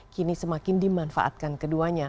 kini semakin dimanfaatkan keduanya